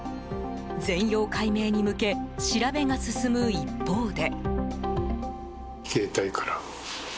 全容解明に向け調べが進む一方で。